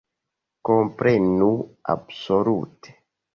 Komprenu, absolute!